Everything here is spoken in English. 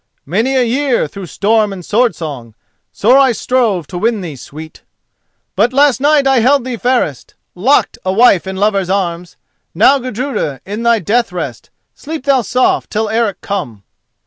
Many a year, through storm and sword song, Sore I strove to win thee, sweet! But last night I held thee, Fairest, Lock'd, a wife, in lover's arms. Now, Gudruda, in thy death rest, Sleep thou soft till Eric come!